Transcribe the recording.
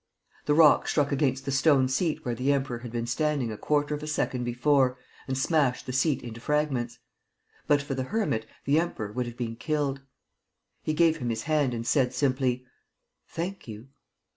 The rock struck against the stone seat where the Emperor had been standing a quarter of a second before and smashed the seat into fragments. But for the hermit, the Emperor would have been killed. He gave him his hand and said, simply: "Thank you."